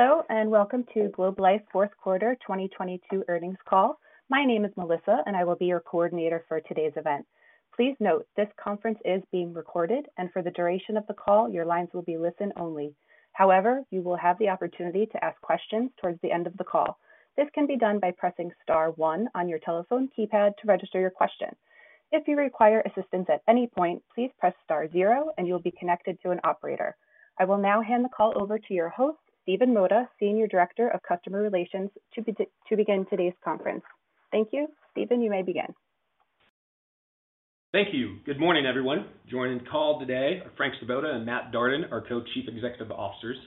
Hello, and welcome to Globe Life Fourth Quarter 2022 earnings call. My name is Melissa, and I will be your coordinator for today's event. Please note, this conference is being recorded, and for the duration of the call, your lines will be listen only. However, you will have the opportunity to ask questions towards the end of the call. This can be done by pressing star one on your telephone keypad to register your question. If you require assistance at any point, please press star zero and you'll be connected to an operator. I will now hand the call over to your host, Stephen Mota, Senior Director of Investor Relations, to begin today's conference. Thank you. Stephen, you may begin. Thank you. Good morning, everyone. Joining the call today are Frank Svoboda and Matt Darden, our Co-Chief Executive Officers,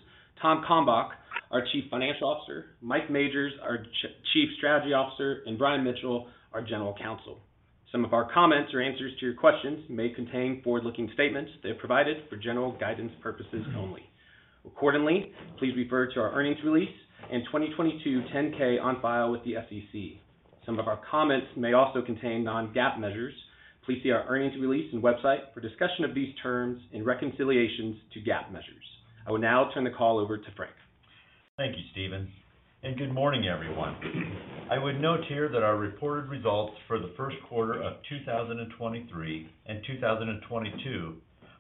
Tom Kalmbach, our Chief Financial Officer, Mike Majors, our Chief Strategy Officer, and Brian Mitchell, our General Counsel. Some of our comments or answers to your questions may contain forward-looking statements. They're provided for general guidance purposes only. Accordingly, please refer to our earnings release and 2022 10-K on file with the SEC. Some of our comments may also contain non-GAAP measures. Please see our earnings release and website for discussion of these terms and reconciliations to GAAP measures. I will now turn the call over to Frank. Thank you, Stephen, and good morning, everyone. I would note here that our reported results for the first quarter of 2023 and 2022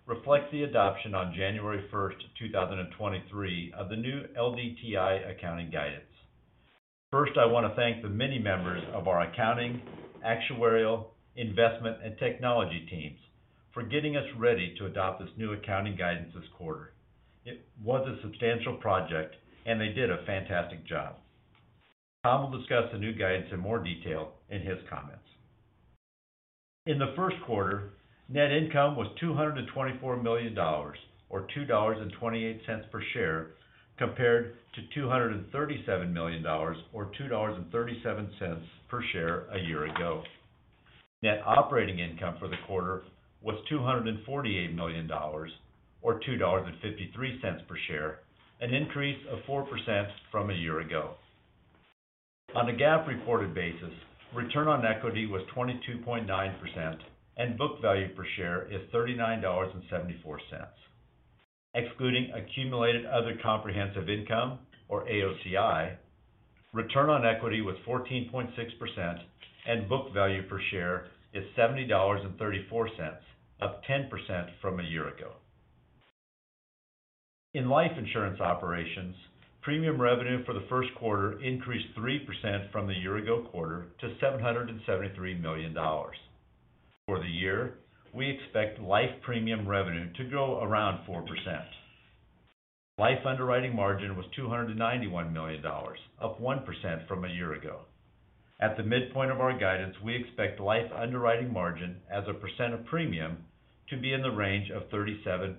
reflect the adoption on January 1st, 2023 of the new LDTI accounting guidance. First, I wanna thank the many members of our accounting, actuarial, investment, and technology teams for getting us ready to adopt this new accounting guidance this quarter. It was a substantial project, and they did a fantastic job. Tom will discuss the new guidance in more detail in his comments. In the first quarter, net income was $224 million or $2.28 per share, compared to $237 million or $2.37 per share a year ago. Net operating income for the quarter was $248 million or $2.53 per share, an increase of 4% from a year ago. On a GAAP reported basis, return on equity was 22.9%, and book value per share is $39.74. Excluding accumulated other comprehensive income or AOCI, return on equity was 14.6%, and book value per share is $70.34, up 10% from a year ago. In life insurance operations, premium revenue for the first quarter increased 3% from the year ago quarter to $773 million. For the year, we expect life premium revenue to grow around 4%. Life underwriting margin was $291 million, up 1% from a year ago. At the midpoint of our guidance, we expect life underwriting margin as a percent of premium to be in the range of 37%-39%.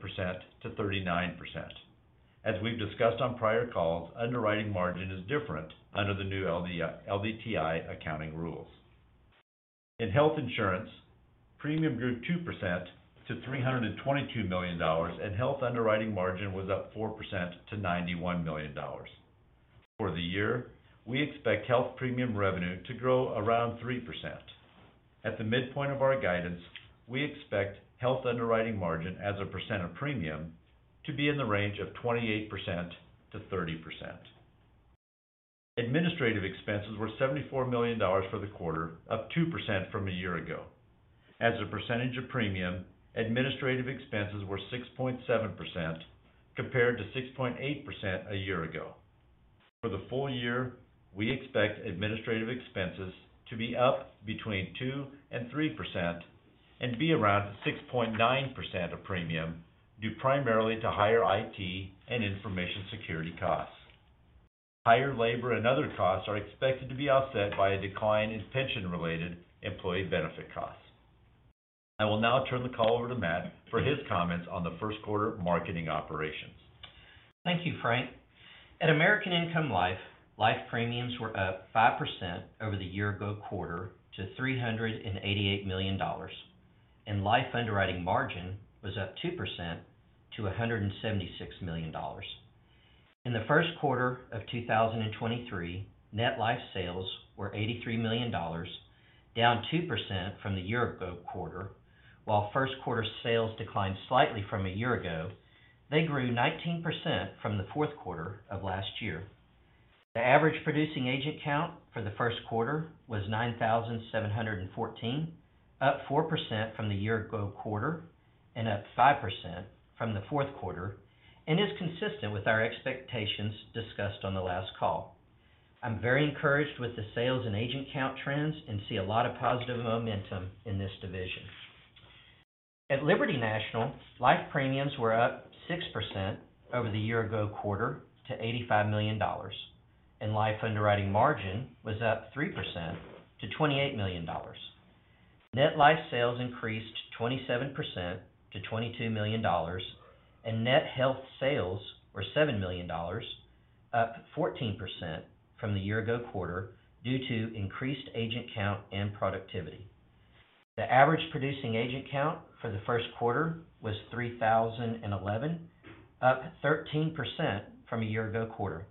As we've discussed on prior calls, underwriting margin is different under the new LDTI accounting rules. In health insurance, premium grew 2% to $322 million, and health underwriting margin was up 4% to $91 million. For the year, we expect health premium revenue to grow around 3%. At the midpoint of our guidance, we expect health underwriting margin as a percent of premium to be in the range of 28%-30%. Administrative expenses were $74 million for the quarter, up 2% from a year ago. As a percentage of premium, administrative expenses were 6.7% compared to 6.8% a year ago. For the full year, we expect administrative expenses to be up between 2% and 3% and be around 6.9% of premium, due primarily to higher IT and information security costs. Higher labor and other costs are expected to be offset by a decline in pension-related employee benefit costs. I will now turn the call over to Matt for his comments on the first quarter marketing operations. Thank you, Frank. At American Income Life, life premiums were up 5% over the year ago quarter to $388 million, and life underwriting margin was up 2% to $176 million. In the first quarter of 2023, net life sales were $83 million, down 2% from the year ago quarter. While first quarter sales declined slightly from a year ago, they grew 19% from the fourth quarter of last year. The average producing agent count for the first quarter was 9,714, up 4% from the year ago quarter and up 5% from the fourth quarter, and is consistent with our expectations discussed on the last call. I'm very encouraged with the sales and agent count trends and see a lot of positive momentum in this division. At Liberty National, life premiums were up 6% over the year-ago quarter to $85 million, and life underwriting margin was up 3% to $28 million. Net life sales increased 27% to $22 million, and net health sales were $7 million, up 14% from the year-ago quarter due to increased agent count and productivity. The average producing agent count for the first quarter was 3,011, up 13% from a year-ago quarter.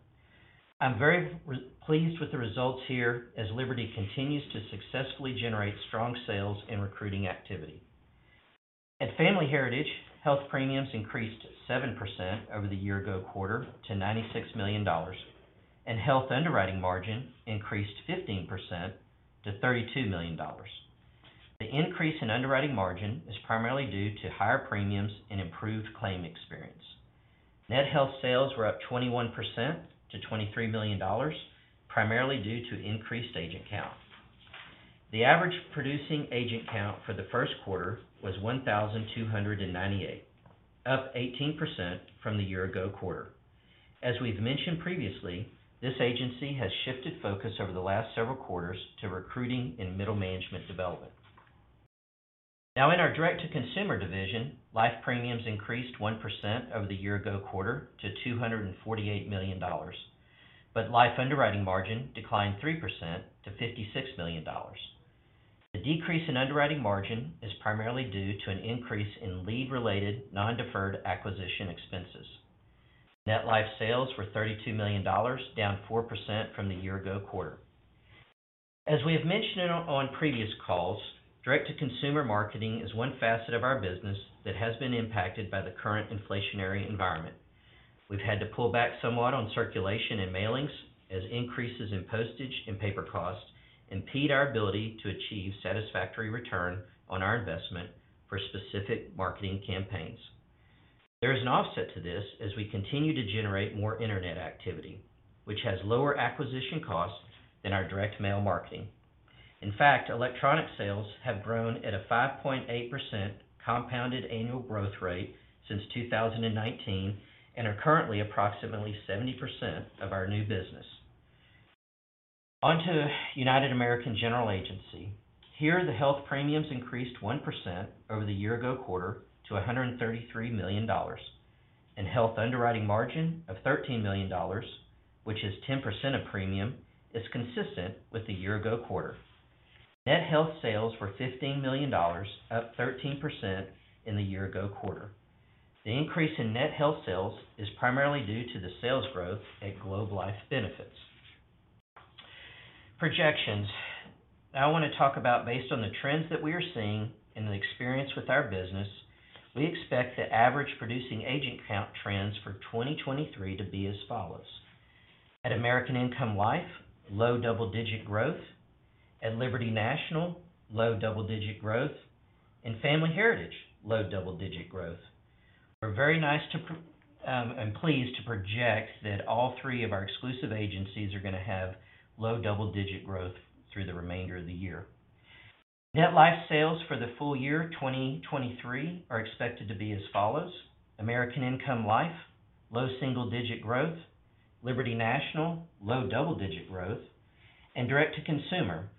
I'm very pleased with the results here as Liberty continues to successfully generate strong sales and recruiting activity. At Family Heritage, health premiums increased 7% over the year-ago quarter to $96 million, and health underwriting margin increased 15% to $32 million. The increase in underwriting margin is primarily due to higher premiums and improved claim experience. Net health sales were up 21% to $23 million, primarily due to increased agent count. The average producing agent count for the first quarter was 1,298, up 18% from the year-ago quarter. As we've mentioned previously, this agency has shifted focus over the last several quarters to recruiting in middle management development. In our direct-to-consumer division, life premiums increased 1% over the year-ago quarter to $248 million, but life underwriting margin declined 3% to $56 million. The decrease in underwriting margin is primarily due to an increase in lead-related non-deferred acquisition expenses. Net life sales were $32 million, down 4% from the year-ago quarter. As we have mentioned on previous calls, direct-to-consumer marketing is one facet of our business that has been impacted by the current inflationary environment. We've had to pull back somewhat on circulation and mailings as increases in postage and paper costs impede our ability to achieve satisfactory return on our investment for specific marketing campaigns. There is an offset to this as we continue to generate more internet activity, which has lower acquisition costs than our direct mail marketing. In fact, electronic sales have grown at a 5.8% compounded annual growth rate since 2019 and are currently approximately 70% of our new business. On to United American General Agency, here the health premiums increased 1% over the year-ago quarter to $133 million. And health underwriting margin of $13 million, which is 10% of premium, is consistent with the year-ago quarter. Net health sales were $15 million, up 13% in the year-ago quarter. The increase in net health sales is primarily due to the sales growth at Globe Life Benefits. Projections. I wanna talk about based on the trends that we are seeing and the experience with our business, we expect the average producing agent count trends for 2023 to be as follows. At American Income Life, low double-digit growth. At Liberty National, low double-digit growth. In Family Heritage, low double-digit growth. We're very nice to, pleased to project that all three of our exclusive agencies are gonna have low double-digit growth through the remainder of the year. Net life sales for the full year 2023 are expected to be as follows: American Income Life, low single-digit growth, Liberty National, low double-digit growth, and direct-to-consumer,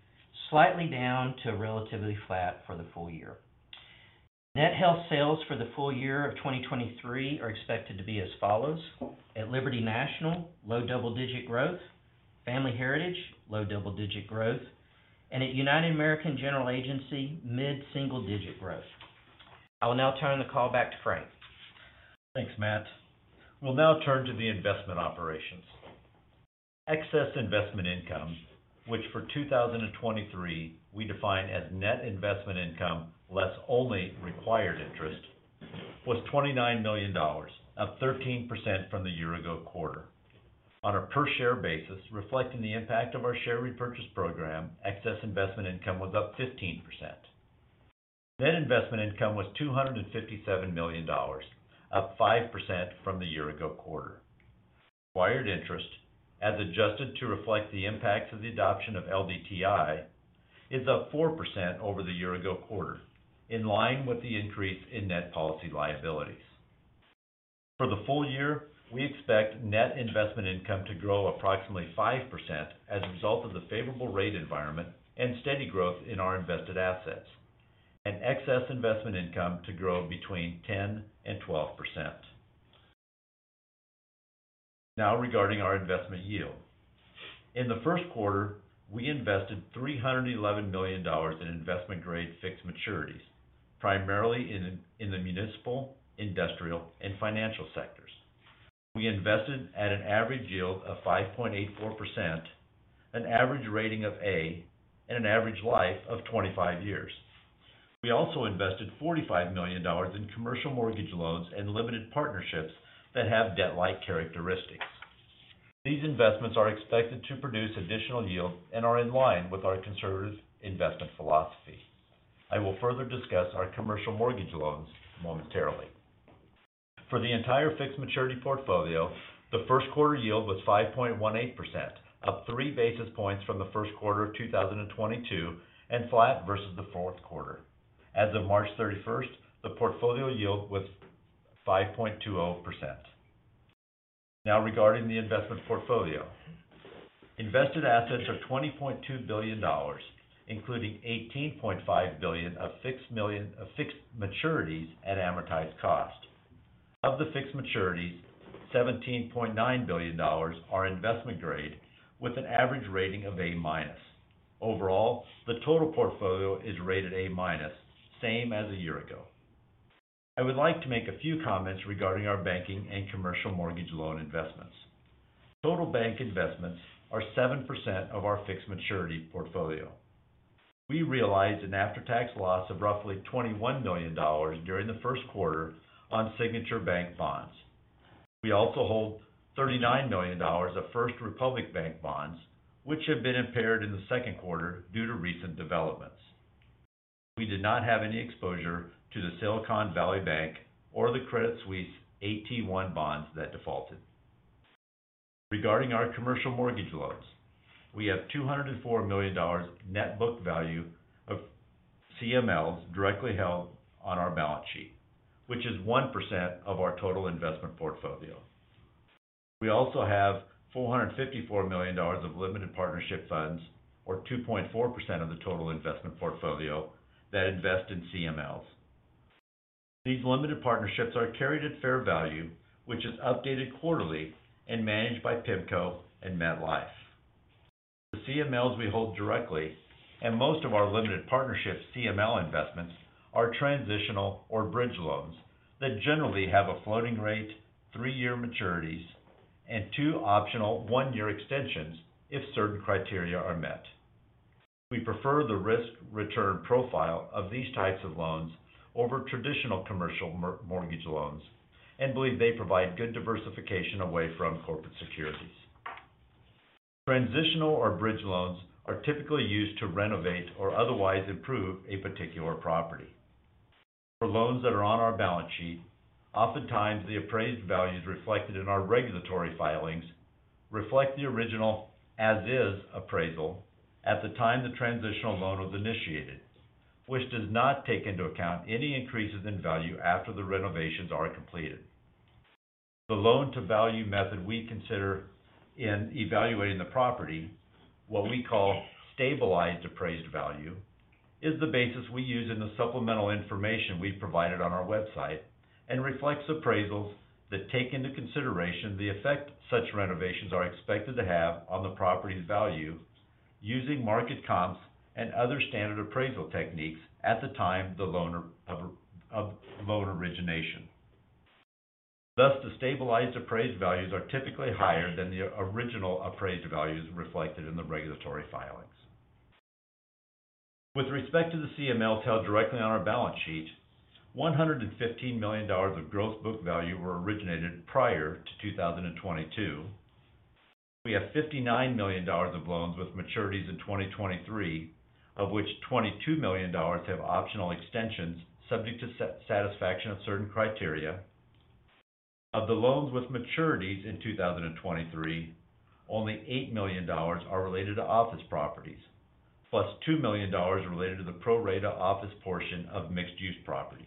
slightly down to relatively flat for the full year. Net health sales for the full year of 2023 are expected to be as follows: at Liberty National, low double-digit growth, Family Heritage, low double-digit growth, and at United American General Agency, mid single-digit growth. I will now turn the call back to Frank. Thanks, Matt. We'll now turn to the investment operations. Excess investment income, which for 2023 we define as net investment income, less only required interest, was $29 million, up 13% from the year ago quarter. On a per share basis, reflecting the impact of our share repurchase program, excess investment income was up 15%. Net investment income was $257 million, up 5% from the year ago quarter. Required interest, as adjusted to reflect the impacts of the adoption of LDTI, is up 4% over the year ago quarter, in line with the increase in net policy liabilities. For the full year, we expect net investment income to grow approximately 5% as a result of the favorable rate environment and steady growth in our invested assets, and excess investment income to grow between 10%-12%. Now regarding our investment yield. In the first quarter, we invested $311 million in investment-grade fixed maturities, primarily in the municipal, industrial, and financial sectors. We invested at an average yield of 5.84%, an average rating of A, and an average life of 25 years. We also invested $45 million in commercial mortgage loans and limited partnerships that have debt-like characteristics. These investments are expected to produce additional yield and are in line with our conservative investment philosophy. I will further discuss our commercial mortgage loans momentarily. For the entire fixed maturity portfolio, the first quarter yield was 5.18%, up 3 basis points from the first quarter of 2022 and flat versus the fourth quarter. As of March 31st, the portfolio yield was 5.20%. Now regarding the investment portfolio. Invested assets are $20.2 billion, including $18.5 billion of fixed maturities at amortized cost. Of the fixed maturities, $17.9 billion are investment-grade with an average rating of A-. Overall, the total portfolio is rated A-, same as a year ago. I would like to make a few comments regarding our banking and commercial mortgage loan investments. Total bank investments are 7% of our fixed maturity portfolio. We realized an after-tax loss of roughly $21 million during the first quarter on Signature Bank bonds. We also hold $39 million of First Republic Bank bonds, which have been impaired in the second quarter due to recent developments. We did not have any exposure to the Silicon Valley Bank or the Credit Suisse AT1 bonds that defaulted. Regarding our commercial mortgage loans, we have $204 million net book value of CMLs directly held on our balance sheet, which is 1% of our total investment portfolio. We also have $454 million of limited partnership funds or 2.4% of the total investment portfolio that invest in CMLs. These limited partnerships are carried at fair value, which is updated quarterly and managed by PIMCO and MetLife. The CMLs we hold directly and most of our limited partnership CML investments are transitional or bridge loans that generally have a floating rate, three-year maturities, and two optional one-year extensions if certain criteria are met. We prefer the risk-return profile of these types of loans over traditional commercial mortgage loans and believe they provide good diversification away from corporate securities. Transitional or bridge loans are typically used to renovate or otherwise improve a particular property. For loans that are on our balance sheet, oftentimes the appraised values reflected in our regulatory filings reflect the original as is appraisal at the time the transitional loan was initiated, which does not take into account any increases in value after the renovations are completed. The loan-to-value method we consider in evaluating the property, what we call stabilized appraised value, is the basis we use in the supplemental information we've provided on our website and reflects appraisals that take into consideration the effect such renovations are expected to have on the property's value using market comps and other standard appraisal techniques at the time the loan origination. Thus the stabilized appraised values are typically higher than the original appraised values reflected in the regulatory filings. With respect to the CMLs held directly on our balance sheet, $115 million of gross book value were originated prior to 2022. We have $59 million of loans with maturities in 2023, of which $22 million have optional extensions subject to satisfaction of certain criteria. Of the loans with maturities in 2023, only $8 million are related to office properties, plus $2 million related to the pro rata office portion of mixed-use properties.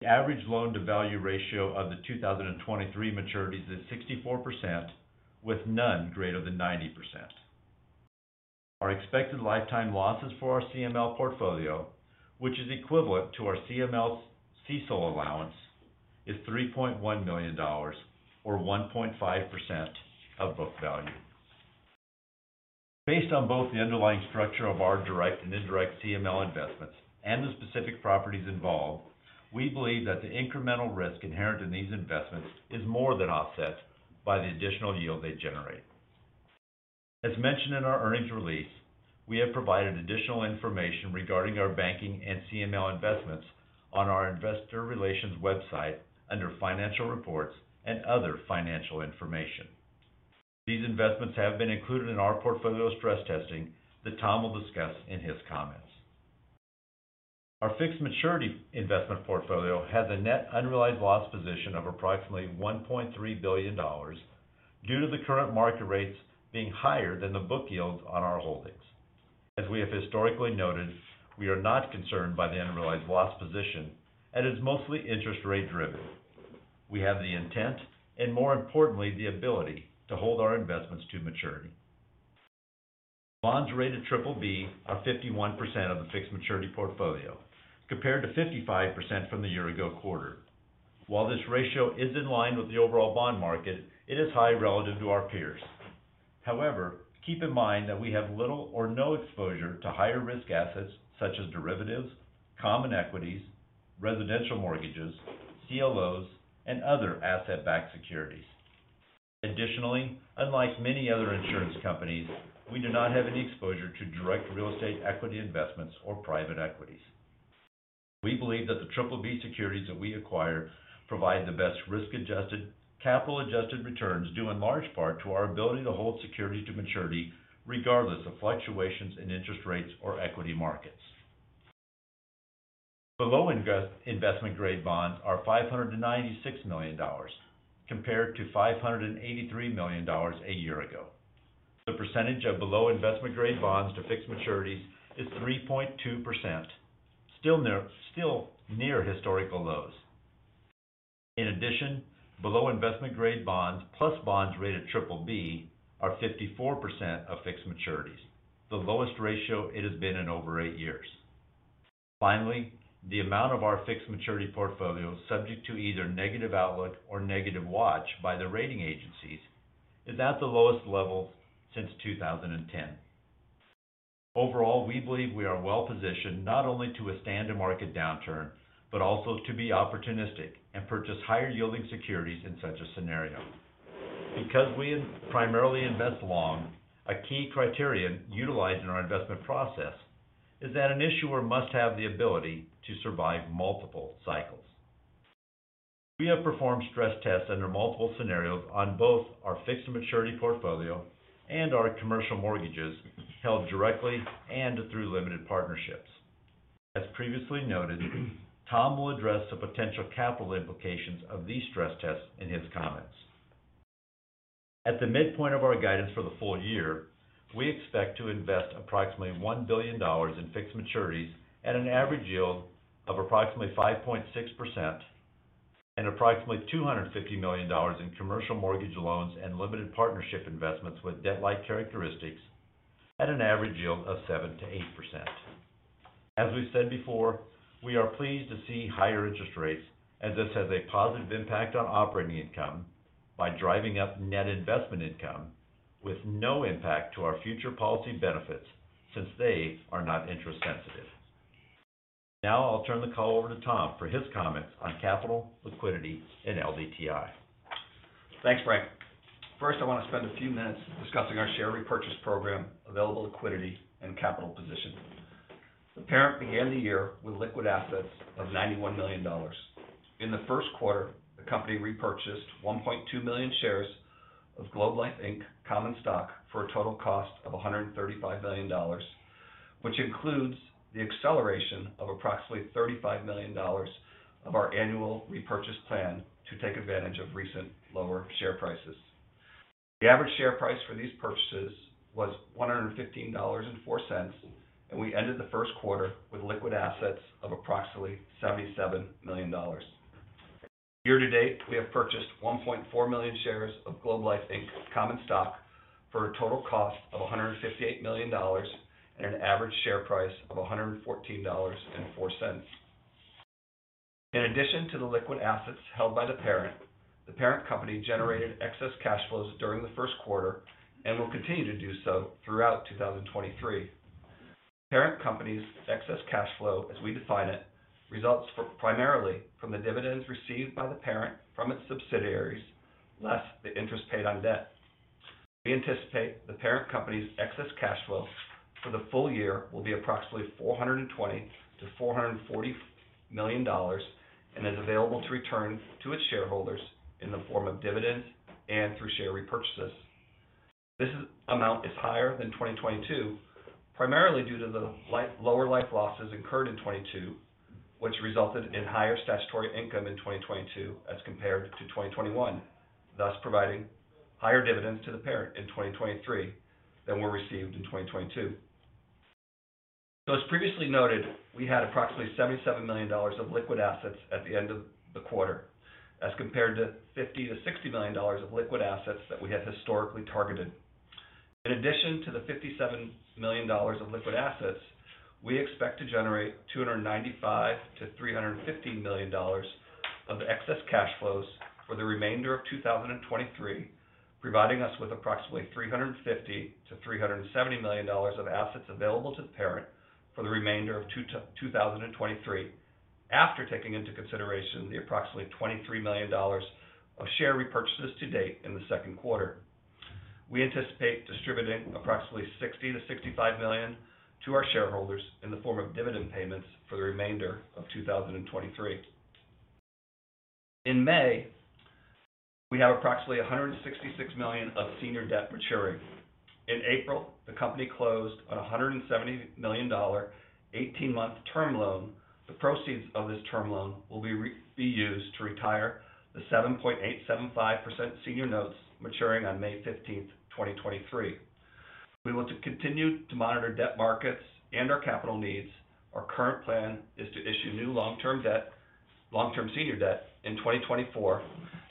The average loan-to-value ratio of the 2023 maturities is 64%, with none greater than 90%. Our expected lifetime losses for our CML portfolio, which is equivalent to our CML CECL allowance, is $3.1 million or 1.5% of book value. Based on both the underlying structure of our direct and indirect CML investments and the specific properties involved, we believe that the incremental risk inherent in these investments is more than offset by the additional yield they generate. As mentioned in our earnings release, we have provided additional information regarding our banking and CML investments on our investor relations website under Financial Reports and Other Financial Information. These investments have been included in our portfolio stress testing that Tom will discuss in his comments. Our fixed maturity investment portfolio has a net unrealized loss position of approximately $1.3 billion due to the current market rates being higher than the book yields on our holdings. And we have historically noted, we are not concerned by the unrealized loss position, and is mostly interest rate-driven. We have the intent and, more importantly, the ability to hold our investments to maturity. Bonds rated BBB are 51% of the fixed maturity portfolio, compared to 55% from the year ago quarter. While this ratio is in line with the overall bond market, it is high relative to our peers. However keep in mind that we have little or no exposure to higher-risk assets such as derivatives, common equities, residential mortgages, CLOs, and other asset-backed securities. Additionally, unlike many other insurance companies, we do not have any exposure to direct real estate equity investments or private equities. We believe that the BBB securities that we acquire provide the best risk-adjusted, capital-adjusted returns, due in large part to our ability to hold securities to maturity regardless of fluctuations in interest rates or equity markets. Below investment grade bonds are $596 million, compared to $583 million a year ago. The percentage of below investment grade bonds to fixed maturities is 3.2%, still near historical lows. In addition, below investment grade bonds plus bonds rated BBB are 54% of fixed maturities, the lowest ratio it has been in over eight years. The amount of our fixed maturity portfolio subject to either negative outlook or negative watch by the rating agencies is at the lowest level since 2010. Overall we believe we are well-positioned not only to withstand a market downturn, but also to be opportunistic and purchase higher yielding securities in such a scenario. Because we primarily invest long, a key criterion utilized in our investment process is that an issuer must have the ability to survive multiple cycles. We have performed stress tests under multiple scenarios on both our fixed maturity portfolio and our commercial mortgages held directly and through limited partnerships. As previously noted, Tom will address the potential capital implications of these stress tests in his comments. At the midpoint of our guidance for the full year, we expect to invest approximately $1 billion in fixed maturities at an average yield of approximately 5.6% and approximately $250 million in commercial mortgage loans and limited partnership investments with debt-like characteristics at an average yield of 7%-8%. As we've said before, we are pleased to see higher interest rates as this has a positive impact on operating income by driving up net investment income with no impact to our future policy benefits since they are not interest sensitive. Now I'll turn the call over to Tom for his comments on capital, liquidity, and LDTI. Thanks, Frank. First, I wanna spend a few minutes discussing our share repurchase program, available liquidity, and capital position. The parent began the year with liquid assets of $91 million. In the first quarter, the company repurchased 1.2 million shares of Globe Life Inc. common stock for a total cost of $135 million, which includes the acceleration of approximately $35 million of our annual repurchase plan to take advantage of recent lower share prices. The average share price for these purchases was $115.04. And we ended the first quarter with liquid assets of approximately $77 million. Year to date, we have purchased 1.4 million shares of Globe Life Inc.- ...common stock for a total cost of $158 million and an average share price of $114.04. In addition to the liquid assets held by the parent, the parent company generated excess cash flows during the first quarter and will continue to do so throughout 2023. Parent company's excess cash flow, as we define it, results primarily from the dividends received by the parent from its subsidiaries, less the interest paid on debt. We anticipate the parent company's excess cash flow for the full year will be approximately $420 million-$440 million and is available to return to its shareholders in the form of dividends and through share repurchases. This amount is higher than 2022, primarily due to the lower life losses incurred in 2022, which resulted in higher statutory income in 2022 as compared to 2021, thus providing higher dividends to the parent in 2023 than were received in 2022. As previously noted, we had approximately $77 million of liquid assets at the end of the quarter as compared to $50 million-$60 million of liquid assets that we had historically targeted. In addition to the $57 million of liquid assets, we expect to generate $295 million-$350 million of excess cash flows for the remainder of 2023, providing us with approximately $350 million-$370 million of assets available to the parent for the remainder of 2023 after taking into consideration the approximately $23 million of share repurchases to date in the second quarter. We anticipate distributing approximately $60 million-$65 million to our shareholders in the form of dividend payments for the remainder of 2023. In May, we have approximately $166 million of senior debt maturing. In April, the company closed on a $170 million 18-month term loan. The proceeds of this term loan will be used to retire the 7.875% senior notes maturing on May 15th, 2023. We want to continue to monitor debt markets and our capital needs. Our current plan is to issue new long-term debt, long-term senior debt in 2024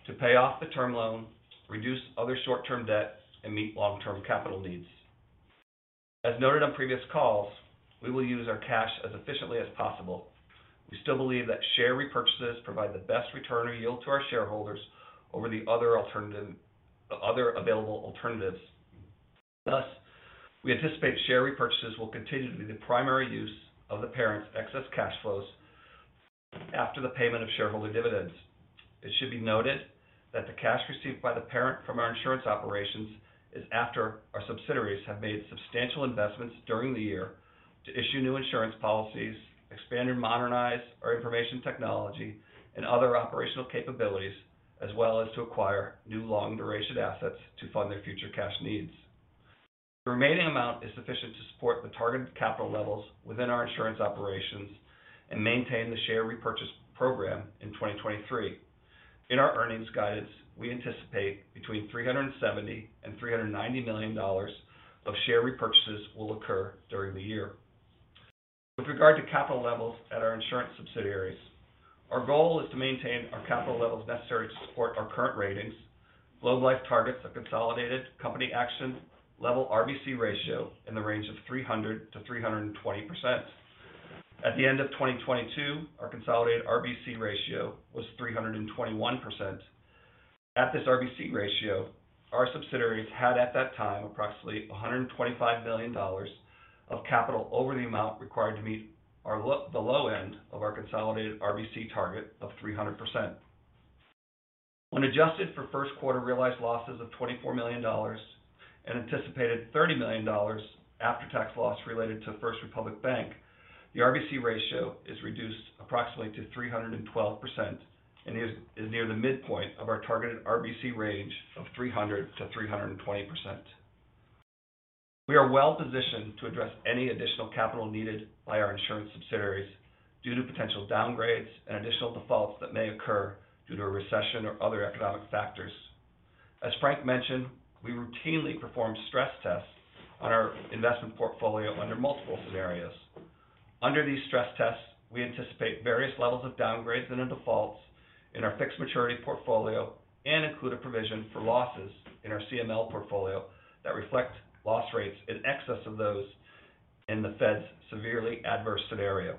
to pay off the term loan, reduce other short-term debt, and meet long-term capital needs. As noted on previous calls, we will use our cash as efficiently as possible. We still believe that share repurchases provide the best return or yield to our shareholders over the other available alternatives. Thus, we anticipate share repurchases will continue to be the primary use of the parent's excess cash flows after the payment of shareholder dividends. It should be noted that the cash received by the parent from our insurance operations is after our subsidiaries have made substantial investments during the year to issue new insurance policies, expand and modernize our information technology and other operational capabilities, as well as to acquire new long-duration assets to fund their future cash needs. The remaining amount is sufficient to support the targeted capital levels within our insurance operations and maintain the share repurchase program in 2023. In our earnings guidance, we anticipate between $370 million and $390 million of share repurchases will occur during the year. With regard to capital levels at our insurance subsidiaries, our goal is to maintain our capital levels necessary to support our current ratings. Globe Life targets a consolidated Company Action Level RBC ratio in the range of 300%-320%. At the end of 2022, our consolidated RBC ratio was 321%. At this RBC ratio, our subsidiaries had, at that time, approximately $125 million of capital over the amount required to meet the low end of our consolidated RBC target of 300%. When adjusted for first quarter realized losses of $24 million and anticipated $30 million after-tax loss related to First Republic Bank, the RBC ratio is reduced approximately to 312% and is near the midpoint of our targeted RBC range of 300%-320%. We are well-positioned to address any additional capital needed by our insurance subsidiaries due to potential downgrades and additional defaults that may occur due to a recession or other economic factors. As Frank mentioned, we routinely perform stress tests on our investment portfolio under multiple scenarios. Under these stress tests, we anticipate various levels of downgrades and in defaults in our fixed maturity portfolio and include a provision for losses in our CML portfolio that reflect loss rates in excess of those in the Fed's severely adverse scenario.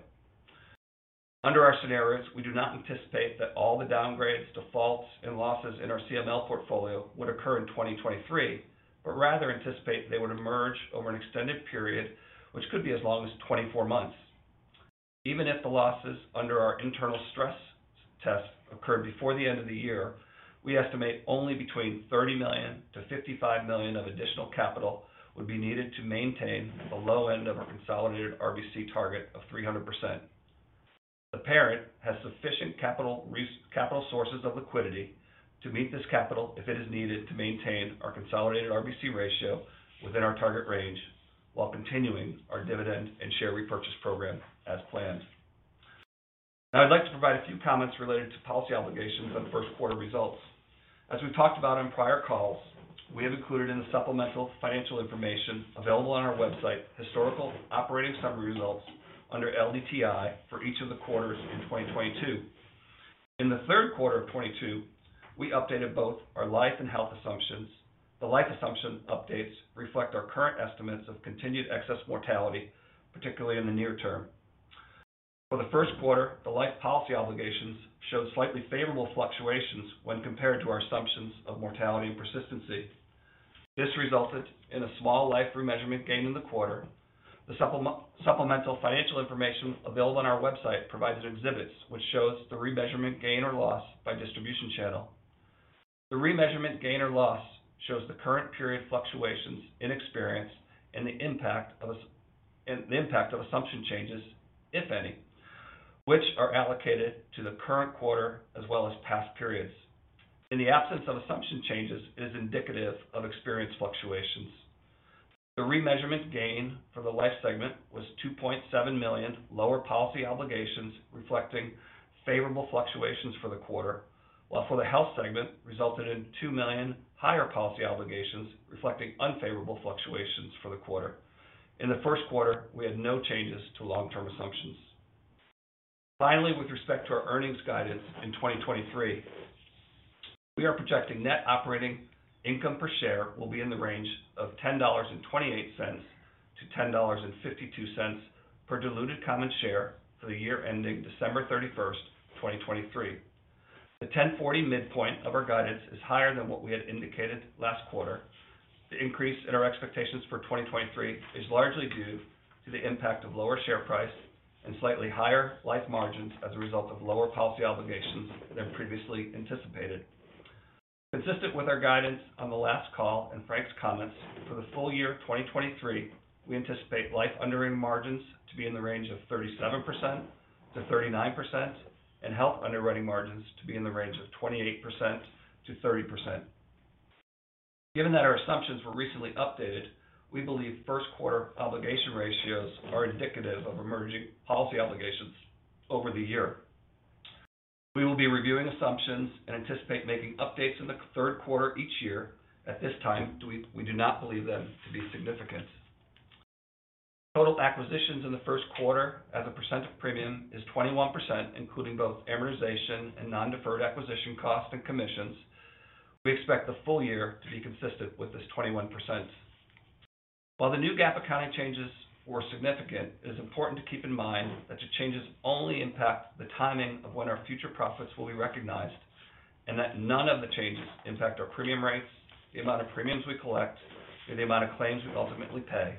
Under our scenarios, we do not anticipate that all the downgrades, defaults, and losses in our CML portfolio would occur in 2023, but rather anticipate they would emerge over an extended period, which could be as long as 24 months. Even if the losses under our internal stress test occurred before the end of the year, we estimate only between $30 million-$55 million of additional capital would be needed to maintain the low end of our consolidated RBC target of 300%. The parent has sufficient capital sources of liquidity to meet this capital if it is needed to maintain our consolidated RBC ratio within our target range while continuing our dividend and share repurchase program as planned. Now I'd like to provide a few comments related to policy obligations on first quarter results. As we've talked about on prior calls, we have included in the supplemental financial information available on our website, historical operating summary results under LDTI for each of the quarters in 2022. In the third quarter of 2022, we updated both our life and health assumptions. The life assumption updates reflect our current estimates of continued excess mortality, particularly in the near term. For the first quarter, the life policy obligations showed slightly favorable fluctuations when compared to our assumptions of mortality and persistency. This resulted in a small life remeasurement gain in the quarter. The supplemental financial information available on our website provides exhibits, which shows the remeasurement gain or loss by distribution channel. The remeasurement gain or loss shows the current period fluctuations in experience and the impact of assumption changes, if any, which are allocated to the current quarter as well as past periods. In the absence of assumption changes, it is indicative of experience fluctuations. The remeasurement gain for the life segment was $2.7 million lower policy obligations reflecting favorable fluctuations for the quarter, while for the health segment resulted in $2 million higher policy obligations reflecting unfavorable fluctuations for the quarter. In the first quarter, we had no changes to long-term assumptions. Finally, with respect to our earnings guidance in 2023, we are projecting Net operating income per share will be in the range of $10.28-$10.52 per diluted common share for the year ending December 31st, 2023. The $10.40 midpoint of our guidance is higher than what we had indicated last quarter. The increase in our expectations for 2023 is largely due to the impact of lower share price and slightly higher life margins as a result of lower policy obligations than previously anticipated. Consistent with our guidance on the last call and Frank's comments, for the full year of 2023, we anticipate life underwriting margins to be in the range of 37%-39% and health underwriting margins to be in the range of 28%-30%. Given that our assumptions were recently updated, we believe first quarter obligation ratios are indicative of emerging policy obligations over the year. We will be reviewing assumptions and anticipate making updates in the third quarter each year. At this time, we do not believe them to be significant. Total acquisitions in the first quarter as a percent of premium is 21%, including both amortization and non-deferred acquisition costs and commissions. We expect the full year to be consistent with this 21%. While the new GAAP accounting changes were significant, it is important to keep in mind that the changes only impact the timing of when our future profits will be recognized, and that none of the changes impact our premium rates, the amount of premiums we collect, or the amount of claims we ultimately pay.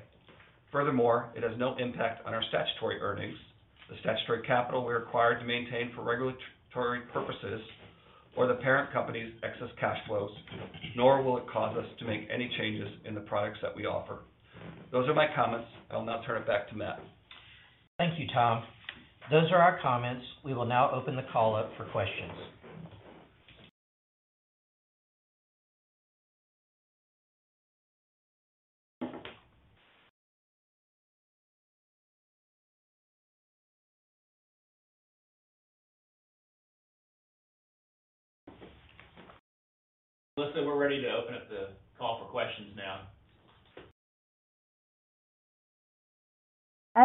Furthermore, it has no impact on our statutory earnings, the statutory capital we're required to maintain for regulatory purposes, or the parent company's excess cash flows, nor will it cause us to make any changes in the products that we offer. Those are my comments. I'll now turn it back to Matt. Thank you, Tom. Those are our comments. We will now open the call up for questions.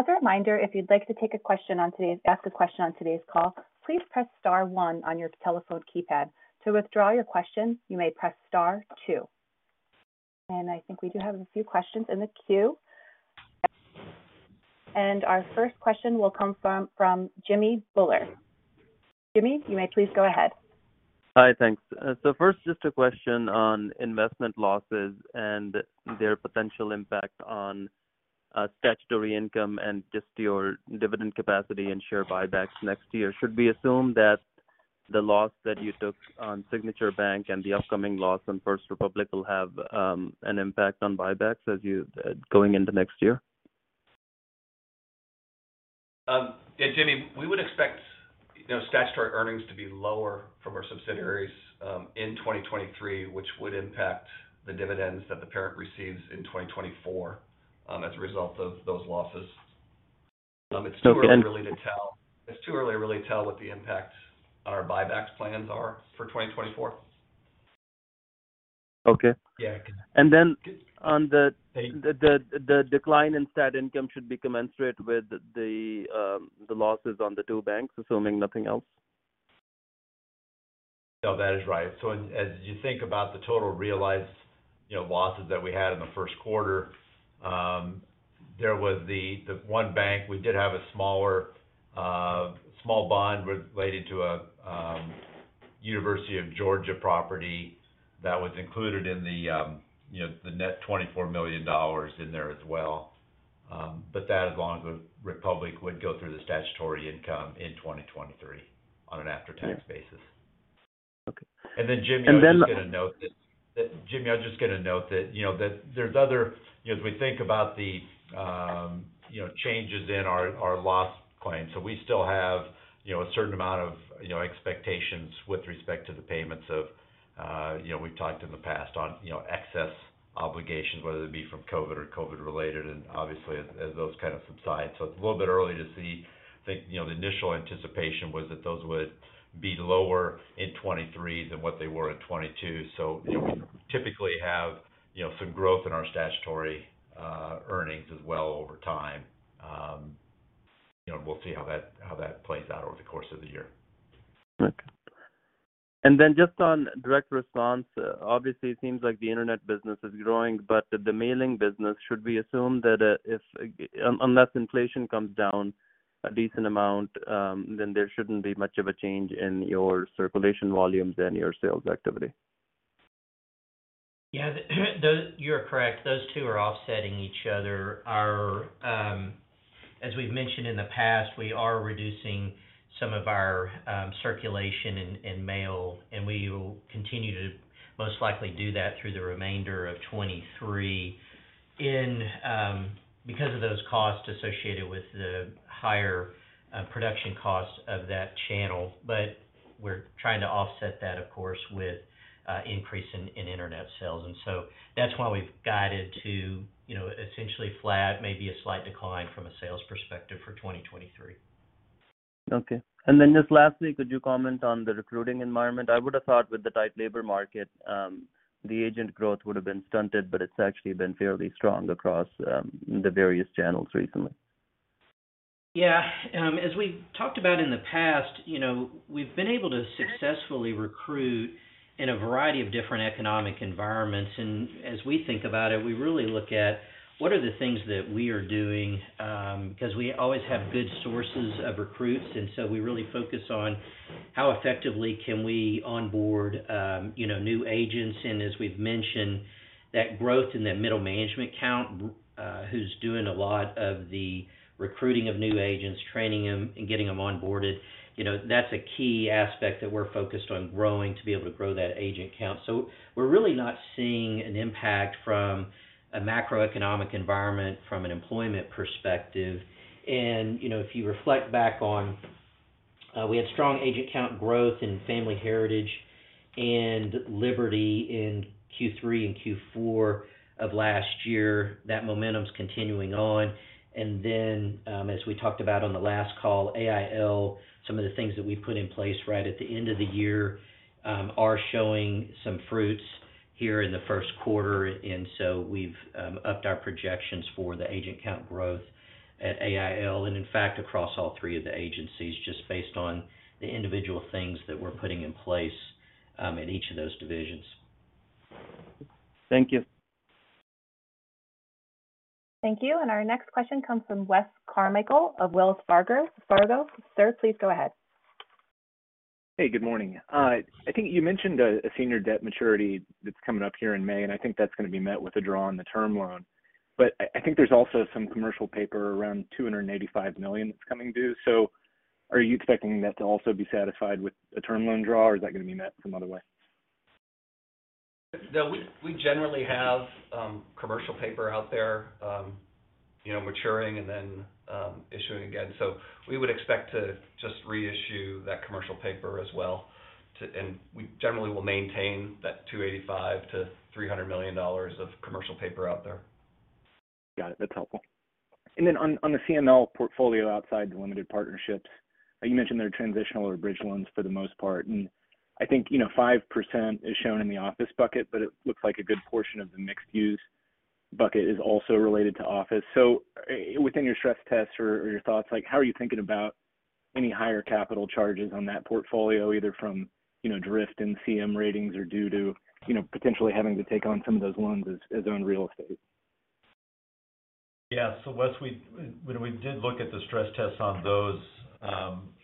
Melissa, we're ready to open up the call for questions now. As a reminder, if you'd like to take a question on, ask a question on today's call, please press star one on your telephone keypad. To withdraw your question, you may press star two. And I think we do have a few questions in the queue. And our first question will come from Jimmy Bhullar. Jimmy, you may please go ahead. Hi. Thanks. So first, just a question on investment losses and their potential impact on statutory income and just your dividend capacity and share buybacks next year. Should we assume that the loss that you took on Signature Bank and the upcoming loss on First Republic will have an impact on buybacks as you going into next year? Yeah, Jimmy, we would expect, you know, statutory earnings to be lower from our subsidiaries in 2023, which would impact the dividends that the parent receives in 2024 as a result of those losses. It's too early really to tell. It's too early to really tell what the impact on our buybacks plans are for 2024. Okay. Yeah. And then on the- Hey ...the decline in stat income should be commensurate with the losses on the two banks, assuming nothing else? No, that is right. As you think about the total realized, you know, losses that we had in the first quarter, there was the one bank, we did have a smaller, small bond related to a University of Georgia property that was included in the, you know, the net $24 million in there as well. That along with Republic would go through the statutory income in 2023 on an after-tax basis. Okay. Jimmy, I was just gonna note that, you know, that there's other... You know, as we think about the, you know, changes in our loss claim. We still have, you know, a certain amount of, you know, expectations with respect to the payments of, you know, we've talked in the past on, you know, excess obligations, whether it be from COVID or COVID-related, and obviously as those kind of subside. It's a little bit early to see. I think, you know, the initial anticipation was that those would be lower in 2023 than what they were in 2022. So you know, we typically have, you know, some growth in our statutory earnings as well over time. You know, we'll see how that, how that plays out over the course of the year. Okay. And then just on direct response, obviously it seems like the internet business is growing, but the mailing business, should we assume that, if unless inflation comes down a decent amount, then there shouldn't be much of a change in your circulation volumes and your sales activity? Yeah, those, you're correct. Those two are offsetting each other. Our, as we've mentioned in the past, we are reducing some of our circulation in mail, and we will continue to most likely do that through the remainder of 2023 in because of those costs associated with the higher production costs of that channel. But we're trying to offset that, of course, with increase in internet sales. And so that's why we've guided to, you know, essentially flat, maybe a slight decline from a sales perspective for 2023. Okay. And then just lastly, could you comment on the recruiting environment? I would have thought with the tight labor market, the agent growth would have been stunted, but it's actually been fairly strong across, the various channels recently. Yeah. As we've talked about in the past, you know, we've been able to successfully recruit in a variety of different economic environments. And as we think about it, we really look at what are the things that we are doing, because we always have good sources of recruits. We really focus on how effectively can we onboard, you know, new agents. As we've mentioned, that growth in that middle management count, who's doing a lot of the recruiting of new agents, training them, and getting them onboarded, you know, that's a key aspect that we're focused on growing to be able to grow that agent count. We're really not seeing an impact from a macroeconomic environment from an employment perspective. And you know, if you reflect back on, we had strong agent count growth in Family Heritage and Liberty in Q3 and Q4 of last year. That momentum's continuing on. And then, as we talked about on the last call, AIL, some of the things that we've put in place right at the end of the year, are showing some fruits here in the first quarter. And so we've upped our projections for the agent count growth at AIL, and in fact across all three of the agencies, just based on the individual things that we're putting in place, in each of those divisions. Thank you. Thank you. And our next question comes from Wes Carmichael of Wells Fargo. Sir, please go ahead. Hey, good morning. I think you mentioned a senior debt maturity that's coming up here in May. I think that's gonna be met with a draw on the term loan. I think there's also some commercial paper around $285 million that's coming due. So are you expecting that to also be satisfied with a term loan draw, or is that going to be met some other way? No, we generally have commercial paper out there, you know, maturing and then issuing again. So we would expect to just reissue that commercial paper as well and we generally will maintain that $285 million-$300 million of commercial paper out there. Got it. That's helpful. Then on the CML portfolio outside the limited partnerships, you mentioned they're transitional or bridge loans for the most part. I think, you know, 5% is shown in the office bucket, but it looks like a good portion of the mixed-use bucket is also related to office. So within your stress tests or your thoughts, like, how are you thinking about any higher capital charges on that portfolio, either from, you know, drift in CM ratings or due to, you know, potentially having to take on some of those loans as own real estate? Yeah, once we did look at the stress tests on those,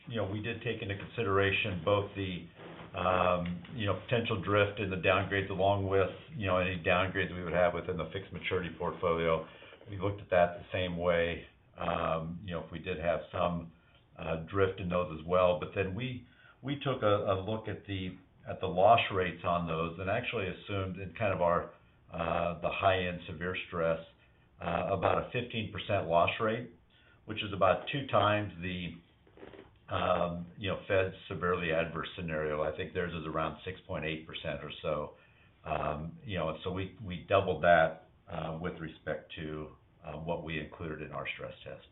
you know, we did take into consideration both the, you know, potential drift in the downgrades along with, you know, any downgrades we would have within the fixed maturity portfolio. We looked at that the same way, you know, if we did have some drift in those as well. Then we, we took a look at the loss rates on those and actually assumed in kind of our, the high-end severe stress, about a 15% loss rate, which is about two times the, you know, Fed's severely adverse scenario. I think theirs is around 6.8% or so. You know, so we doubled that with respect to what we included in our stress test.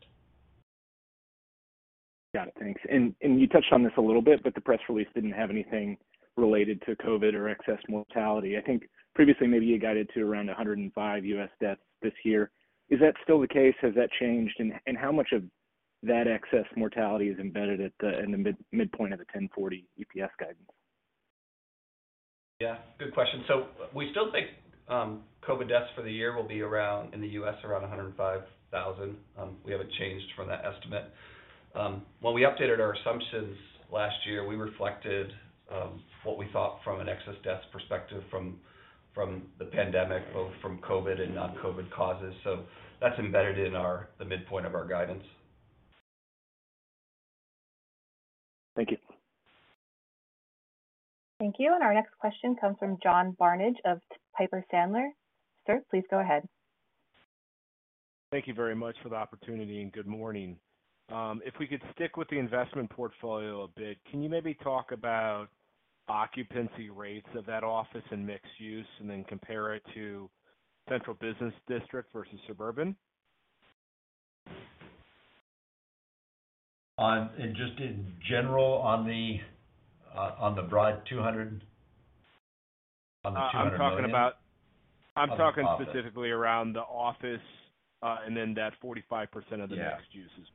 Got it. Thanks. And you touched on this a little bit, but the press release didn't have anything related to COVID or excess mortality. And I think previously maybe you guided to around 105 U.S. deaths this year. Is that still the case? Has that changed? How much of that excess mortality is embedded in the midpoint of the $10.40 EPS guidance? Yeah. Good question. So we still think COVID deaths for the year will be around, in the U.S., around 105,000. We haven't changed from that estimate. When we updated our assumptions last year, we reflected what we thought from an excess deaths perspective from the pandemic, both from COVID and non-COVID causes. So that's embedded in our the midpoint of our guidance. Thank you. Thank you. Our next question comes from John Barnidge of Piper Sandler. Sir, please go ahead. Thank you very much for the opportunity, and good morning. If we could stick with the investment portfolio a bit, can you maybe talk about occupancy rates of that office and mixed use and then compare it to central business district versus suburban? Just in general on the, on the $200 million- I'm talking about- On the office. I'm talking specifically around the office, and then that 45% of the mixed uses.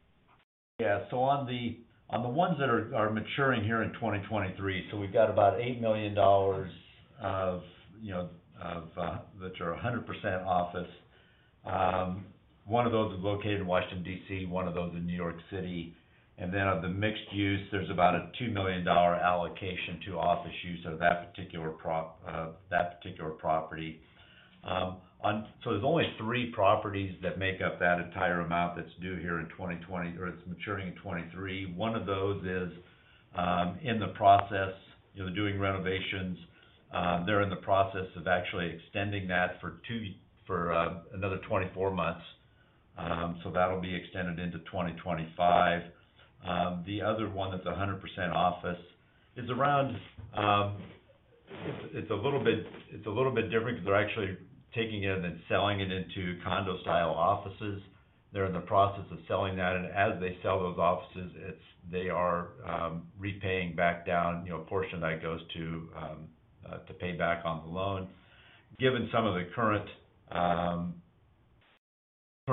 Yeah. So on the, on the ones that are maturing here in 2023, we've got about $8 million of, you know, of that are 100% office. One of those is located in Washington, D.C., one of those in New York City. And then on the mixed use, there's about a $2 million allocation to office use of that particular, that particular property. So there's only three properties that make up that entire amount that's due here or it's maturing in 2023. One of those is in the process, you know, doing renovations. They're in the process of actually extending that for another 24 months. That'll be extended into 2025. The other one that's 100% office is around. It's a little bit, it's a little bit different because they're actually taking it and then selling it into condo-style offices. They're in the process of selling that, and as they sell those offices, they are, you know, repaying back down a portion of that goes to pay back on the loan. Given some of the current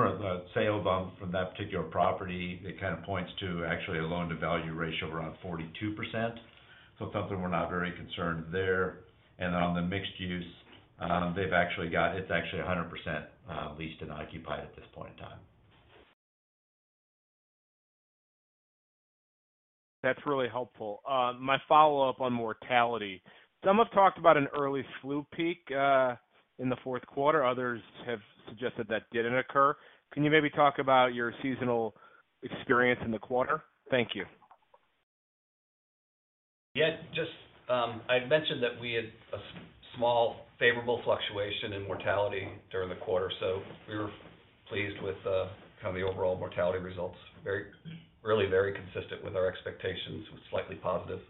the sale bump from that particular property, it kind of points to actually a loan-to-value ratio of around 42%. Something we're not very concerned there. On the mixed use, it's actually 100% leased and occupied at this point in time. That's really helpful. My follow-up on mortality. Some have talked about an early flu peak in the fourth quarter, others have suggested that didn't occur. Can you maybe talk about your seasonal experience in the quarter? Thank you. Yeah. Just, I had mentioned that we had a small favorable fluctuation in mortality during the quarter, so we were pleased with, kind of the overall mortality results. Really very consistent with our expectations, with slightly positive.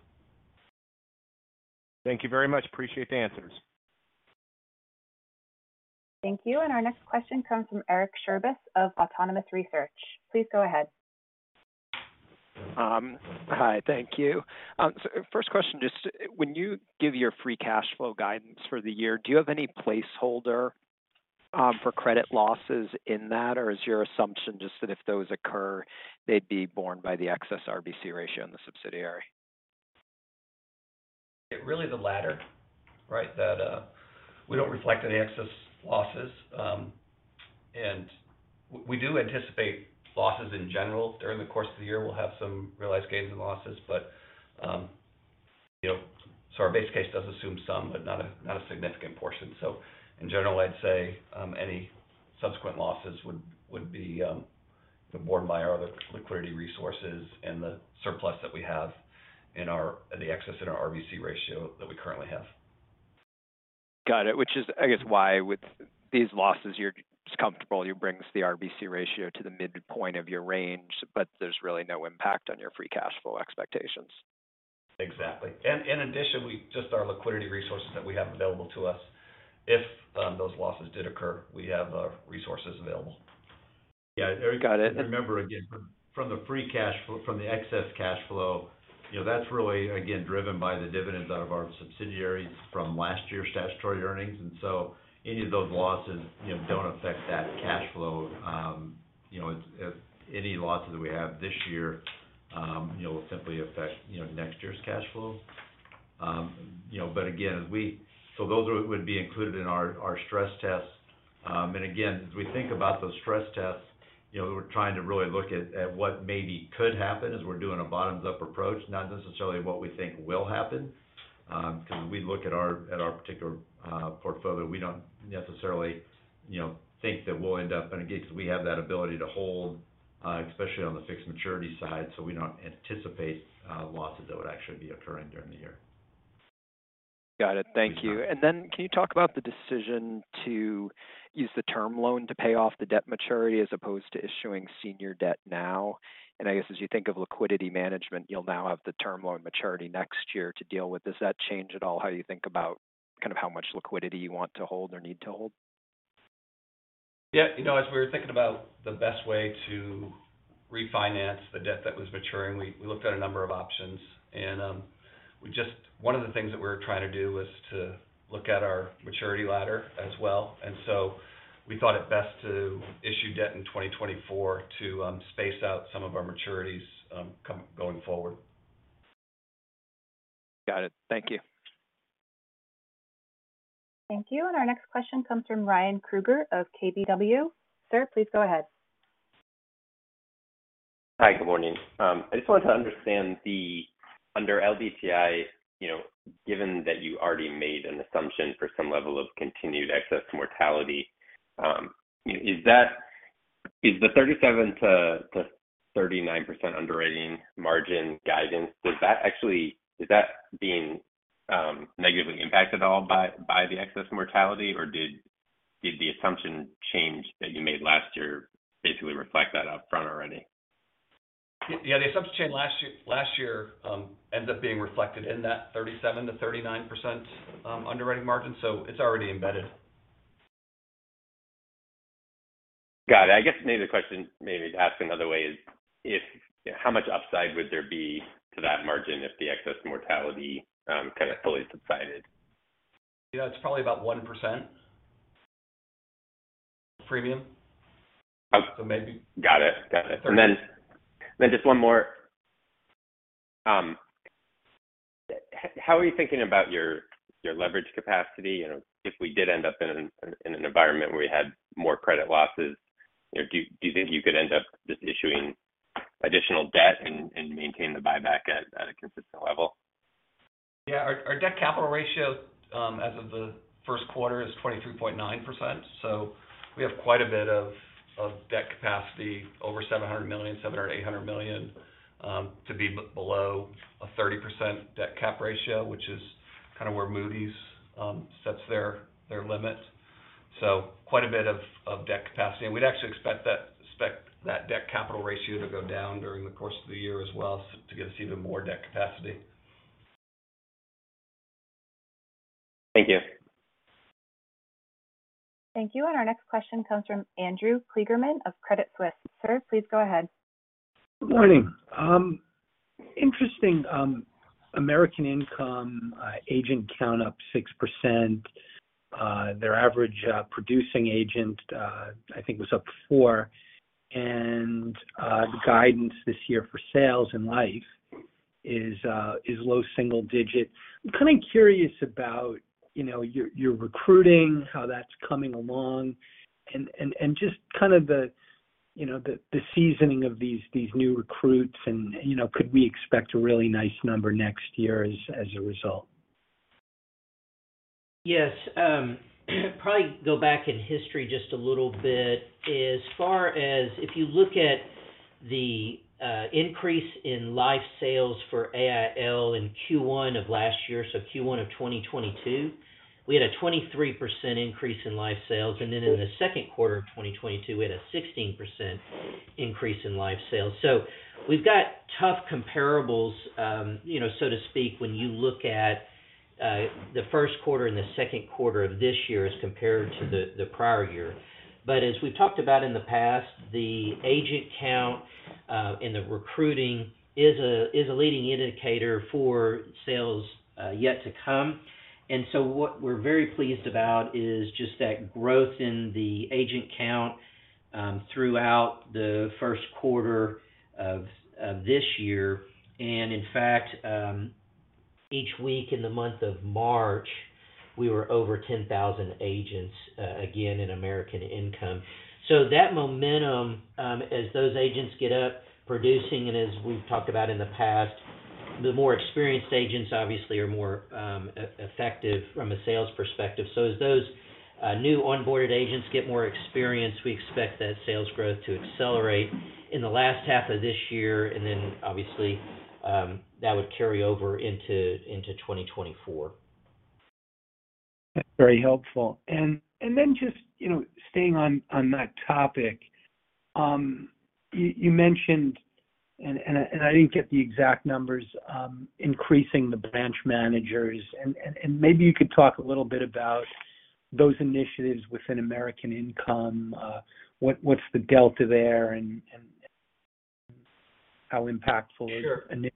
Thank you very much. Appreciate the answers. Thank you. Our next question comes from Erik of Autonomous Research. Please go ahead. Hi. Thank you. So first question, just when you give your free cash flow guidance for the year, do you have any placeholder, for credit losses in that? Or is your assumption just that if those occur, they'd be borne by the excess RBC ratio in the subsidiary? Really the latter, right? That we don't reflect any excess losses. And we do anticipate losses in general during the course of the year. We'll have some realized gains and losses. But, you know, our base case does assume some, but not a, not a significant portion. In general, I'd say any subsequent losses would be borne by our other liquidity resources and the surplus that we have in our-- the excess in our RBC ratio that we currently have. Got it. Which is, I guess why with these losses you're just comfortable it brings the RBC ratio to the midpoint of your range, but there's really no impact on your free cash flow expectations. Exactly. In addition, just our liquidity resources that we have available to us, if those losses did occur, we have resources available. Yeah. Got it. Remember, again, from the free cash flow, from the excess cash flow, you know, that's really again driven by the dividends out of our subsidiaries from last year's statutory earnings. So any of those losses, you know, don't affect that cash flow. You know, if any losses we have this year, you know, will simply affect, you know, next year's cash flows. You know, but again, those would be included in our stress tests. But again, as we think about those stress tests, you know, we're trying to really look at what maybe could happen as we're doing a bottoms-up approach, not necessarily what we think will happen. 'cause we look at our, at our particular portfolio. We don't necessarily, you know, think that we'll end up in a gate 'cause we have that ability to hold, especially on the fixed maturity side, so we don't anticipate losses that would actually be occurring during the year. Got it. Thank you. And then Can you talk about the decision to use the term loan to pay off the debt maturity as opposed to issuing senior debt now? I guess as you think of liquidity management, you'll now have the term loan maturity next year to deal with. Does that change at all how you think about kind of how much liquidity you want to hold or need to hold? Yeah. You know, as we were thinking about the best way to refinance the debt that was maturing, we looked at a number of options. And so one of the things that we were trying to do was to look at our maturity ladder as well. We thought it best to issue debt in 2024 to space out some of our maturities come going forward. Got it. Thank you. Thank you. Our next question comes from Ryan Krueger of KBW. Sir, please go ahead. Hi, good morning. I just wanted to understand the under LDTI, you know, given that you already made an assumption for some level of continued excess mortality, is that, is the 37%-39% underwriting margin guidance, is that actually, is that being negatively impacted at all by, by the excess mortality? Or did, did the assumption change that you made last year basically reflect that up front already? Yeah, the assumption change last year, last year ends up being reflected in that 37%-39% underwriting margin, so it's already embedded. Got it. I guess maybe the question maybe to ask another way is how much upside would there be to that margin if the excess mortality kind of fully subsided? Yeah, it's probably about 1% premium. Okay. maybe-Got it. Got it. Just one more. How are you thinking about your, your leverage capacity? You know, if we did end up in an environment where we had more credit losses, you know, do you think you could end up just issuing additional debt and maintain the buyback at a consistent level? Yeah. Our debt capital ratio as of the first quarter is 23.9%. We have quite a bit of debt capacity, over $700 million, $700 million or $800 million, to be below a 30% debt cap ratio, which is kind of where Moody's sets their limit. So quite a bit of debt capacity. We'd actually expect that debt capital ratio to go down during the course of the year as well to give us even more debt capacity. Thank you. Thank you. Our next question comes from Andrew Kligerman of Credit Suisse. Sir, please go ahead. Good morning. Interesting, American Income agent count up 6%. Their average producing agent, I think was up 4%. And the guidance this year for sales and life is low single digit. I'm kind of curious about, you know, your recruiting, how that's coming along, and just kind of the, you know, the seasoning of these new recruits and, you know, could we expect a really nice number next year as a result? Yes. Probably go back in history just a little bit. As far as if you look at the increase in life sales for AIL in Q1 of last year, so Q1 of 2022, we had a 23% increase in life sales. In the second quarter of 2022, we had a 16% increase in life sales. So we've got tough comparables, you know, so to speak, when you look at the first quarter and the second quarter of this year as compared to the prior year. But as we've talked about in the past, the agent count in the recruiting is a, is a leading indicator for sales yet to come. And so what we're very pleased about is just that growth in the agent count throughout the first quarter of this year. And in fact, each week in the month of March, we were over 10,000 agents again in American Income. So that momentum, as those agents get up producing, and as we've talked about in the past, the more experienced agents obviously are more effective from a sales perspective. So as those new onboarded agents get more experienced, we expect that sales growth to accelerate in the last half of this year. And then obviously, that would carry over into, into 2024. That's very helpful. And then just, you know, staying on that topic, you mentioned, and I didn't get the exact numbers, increasing the branch managers. And maybe you could talk a little bit about those initiatives within American Income. What's, what's the delta there and how impactful is? Sure ...initially?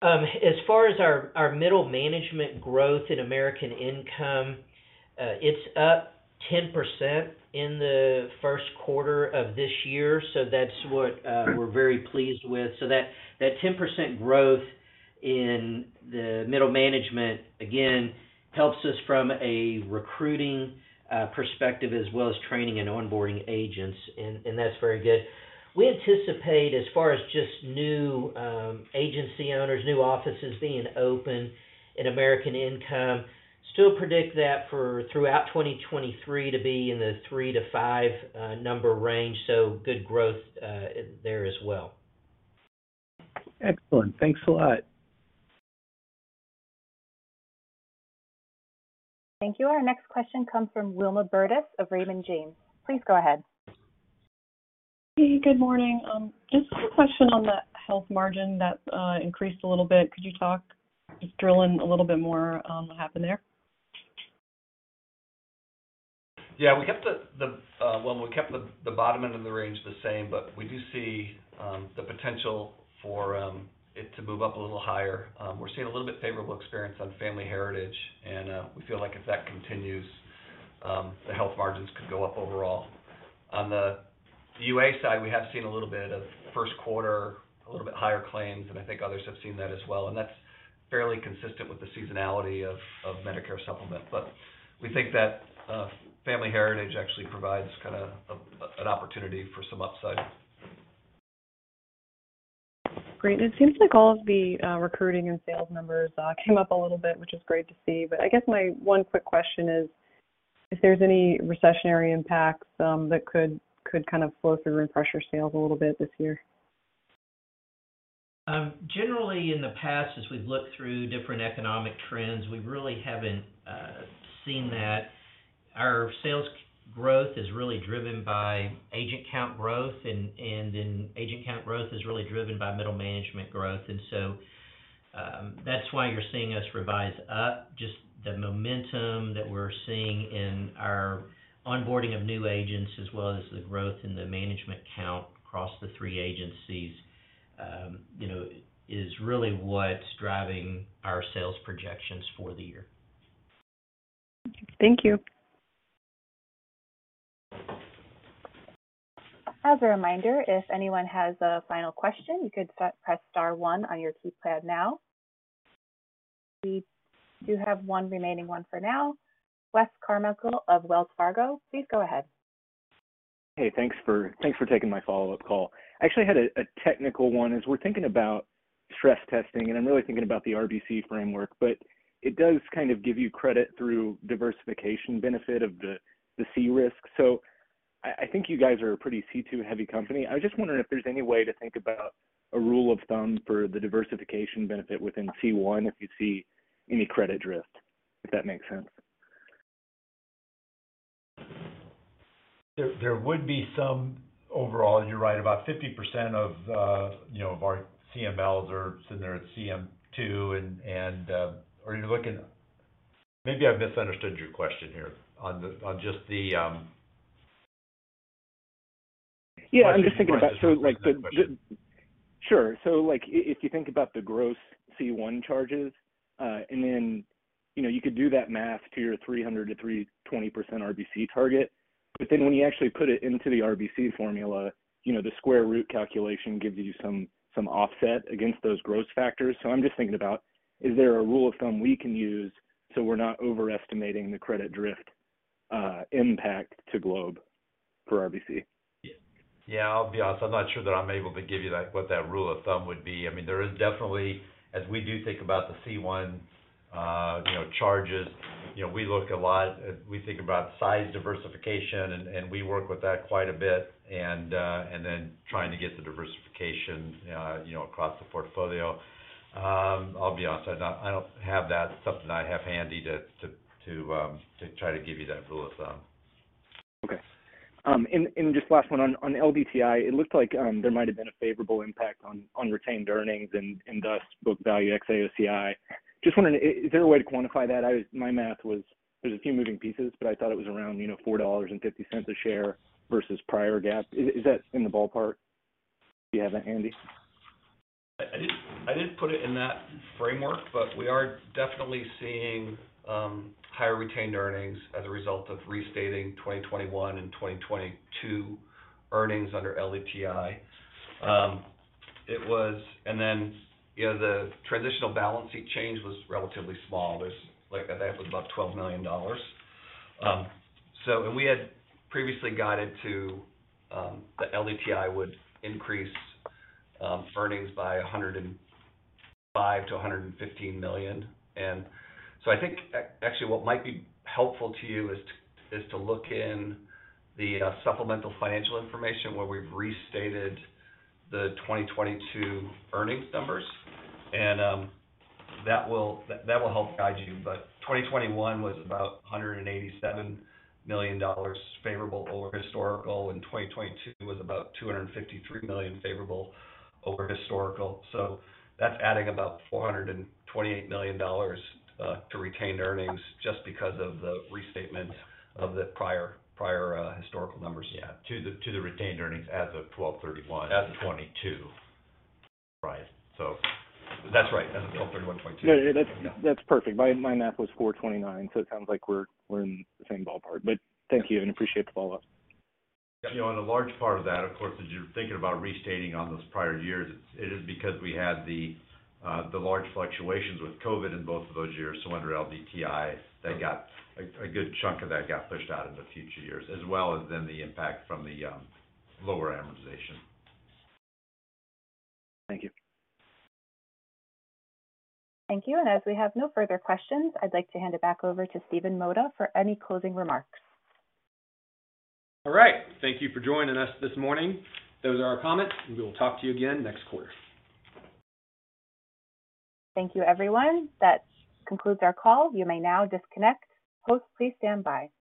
As far as our middle management growth at American Income, it's up 10% in the first quarter of this year, so that's what we're very pleased with. That 10% growth in the middle management, again, helps us from a recruiting perspective as well as training and onboarding agents, and that's very good. We anticipate as far as just new agency owners, new offices being open in American Income, still predict that for throughout 2023 to be in the 3-5 number range, so good growth there as well. Excellent. Thanks a lot. Thank you. Our next question comes from Wilma Burdis of Raymond James. Please go ahead. Hi, Good morning. Just a question on the health margin that increased a little bit. Could you talk, drill in a little bit more on what happened there? Yeah. We kept the bottom end of the range the same, we do see the potential for it to move up a little higher. We're seeing a little bit favorable experience on Family Heritage, we feel like if that continues, the health margins could go up overall. On the UA side, we have seen a little bit of first quarter, a little bit higher claims, I think others have seen that as well, that's fairly consistent with the seasonality of Medicare Supplement. But we think that Family Heritage actually provides kind of an opportunity for some upside. Great. It seems like all of the recruiting and sales numbers came up a little bit, which is great to see. I guess my one quick question is if there's any recessionary impacts, that could kind of flow through and pressure sales a little bit this year. Generally in the past, as we've looked through different economic trends, we really haven't seen that. Our sales growth is really driven by agent count growth and then agent count growth is really driven by middle management growth. And so that's why you're seeing us revise up just the momentum that we're seeing in our onboarding of new agents as well as the growth in the management count across the three agencies, you know, is really what's driving our sales projections for the year. Thank you. As a reminder, if anyone has a final question, you could press star one on your keypad now. We do have one remaining one for now. Wes Carmichael of Wells Fargo, please go ahead. Hey, thanks for taking my follow-up call. I actually had a technical one, as we're thinking about stress testing, and I'm really thinking about the RBC framework, but it does kind of give you credit through diversification benefit of the C-risk. So I think you guys are a pretty C2-heavy company. I was just wondering if there's any way to think about a rule of thumb for the diversification benefit within C1 if you see any credit drift, if that makes sense? There would be some overall, you're right. About 50% of, you know, our CMLs are sitting there at CM2 and. Maybe I misunderstood your question here on the, on just the- Yeah, I'm just thinking about- ...Why don't you rephrase the question. Sure. Like, if you think about the gross C1 charges, and then, you know, you could do that math to your 300% to 320% RBC target. But when you actually put it into the RBC formula, you know, the square root calculation gives you some offset against those gross factors. I'm just thinking about, is there a rule of thumb we can use so we're not overestimating the credit drift impact to Globe for RBC? Yeah. Yeah, I'll be honest, I'm not sure that I'm able to give you that, what that rule of thumb would be. I mean, there is definitely, as we do think about the C1, you know, charges, you know, we look a lot, we think about size diversification and we work with that quite a bit and then trying to get the diversification, you know, across the portfolio. I'll be honest, I don't have that something I have handy to try to give you that rule of thumb. Okay. Just last one on LDTI, it looked like there might have been a favorable impact on retained earnings and thus book value ex AOCI. Just wondering, is there a way to quantify that? My math was there's a few moving pieces, but I thought it was around, you know, $4.50 a share versus prior GAAP. Is that in the ballpark, if you have that handy? I didn't put it in that framework, but we are definitely seeing higher retained earnings as a result of restating 2021 and 2022 earnings under LDTI. It was, and then, you know, the transitional balance sheet change was relatively small. There's like, I think it was about $12 million. So we had previously guided to, the LDTI would increase earnings by $105 million-$115 million. And so I think actually what might be helpful to you is to look in the supplemental financial information where we've restated the 2022 earnings numbers and that will, that will help guide you. But 2021 was about $187 million favorable over historical, and 2022 was about $253 million favorable over historical. So that's adding about $428 million to retained earnings just because of the restatement of the prior, prior historical numbers. Yeah. To the retained earnings as of December 31st, 2022. Right. That's right. That's $1,231.2. Yeah. That's perfect. My math was 429, so it sounds like we're in the same ballpark. Thank you and appreciate the follow-up. You know, a large part of that, of course, as you're thinking about restating on those prior years, it is because we had the large fluctuations with COVID in both of those years. Under LDTI, that got a good chunk of that got pushed out into future years, as well as then the impact from the lower amortization. Thank you. Thank you. As we have no further questions, I'd like to hand it back over to Stephen Mota for any closing remarks. All right. Thank you for joining us this morning. Those are our comments, and we will talk to you again next quarter. Thank you, everyone. That concludes our call. You may now disconnect. Folks, please stand by.